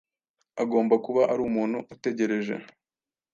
Agomba kuba ari umuntu utegereje